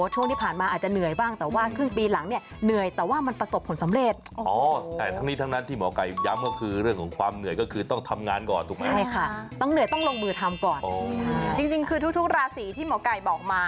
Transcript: จริงคือทุกราศีที่หมอไก่บอกมาเนี่ย